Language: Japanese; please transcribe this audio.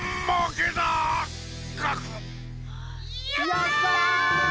やった！